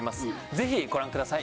ぜひご覧ください。